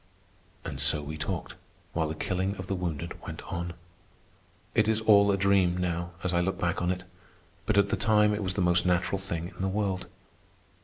And so we talked, while the killing of the wounded went on. It is all a dream, now, as I look back on it; but at the time it was the most natural thing in the world.